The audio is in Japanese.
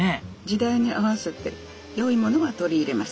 時代に合わせて良いものは取り入れます。